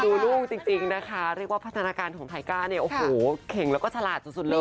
ลูกจริงนะคะเรียกว่าพัฒนาการของไทก้าเนี่ยโอ้โหเก่งแล้วก็ฉลาดสุดเลย